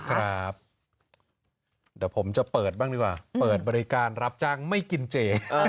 ครับเดี๋ยวผมจะเปิดบ้างดีกว่าเปิดบริการรับจ้างไม่กินเจ